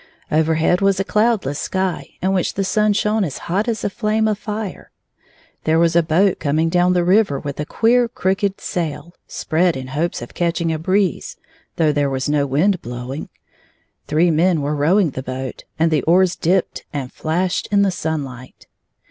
Overhead was a cloud less sky, in which the sun shone as hot as a flame of fire. There was a boat coming down the river with a queer crooked sail, spread in hopes of catching a breeze, though there was no wind blow ing. Three men were rowing the boat, and the oars dipped and flashed in the sunlight.